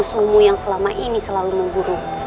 padahal aku ini musuhmu yang selama ini selalu memburu